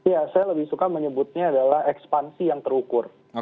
ya saya lebih suka menyebutnya adalah ekspansi yang terukur